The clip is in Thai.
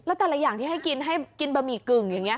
อะไรอย่างที่ให้กินให้กินบะหมี่กึ่งอย่างเงี้ย